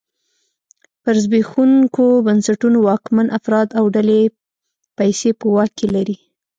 پر زبېښونکو بنسټونو واکمن افراد او ډلې پیسې په واک کې لري.